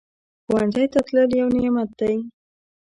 ښوونځی ته تلل یو نعمت دی